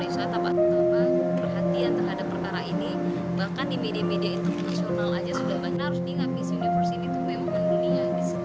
selamat siang mbak melisa